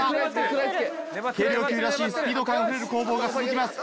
軽量級らしいスピード感あふれる攻防が続きます。